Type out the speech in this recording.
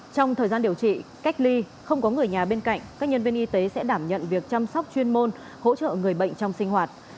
trong thời gian điều trị cách ly không có người nhà bên cạnh các nhân viên y tế sẽ đảm nhận việc chăm sóc chuyên môn hỗ trợ người bệnh trong sinh hoạt